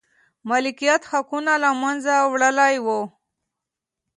مالکیت حقونو له منځه وړل و.